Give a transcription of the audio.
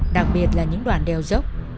đặc biệt là những đoàn đèo dốc